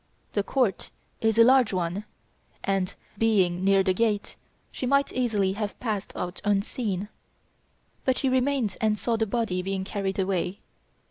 The court is a large one and, being near the gate, she might easily have passed out unseen. But she remained and saw the body being carried away.